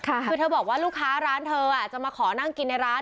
คือเธอบอกว่าลูกค้าร้านเธอจะมาขอนั่งกินในร้าน